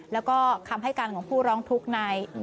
แล้วก็คำให้การของผู้ร้องทุกข์ใน